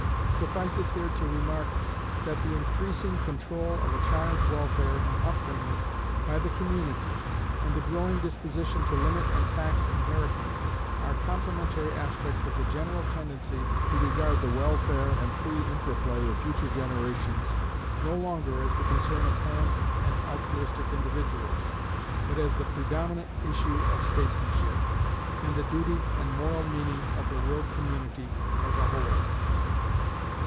Suffice it here to remark, that the increasing control of a child's welfare and upbringing by the community, and the growing disposition to limit and tax inheritance are complementary aspects of the general tendency to regard the welfare and free intraplay of future generations no longer as the concern of parents and altruistic individuals, but as the predominant issue of statesmanship, and the duty and moral meaning of the world community as a whole.